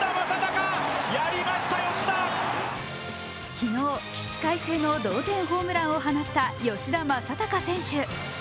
昨日、起死回生の同点ホームランを放った吉田正尚選手。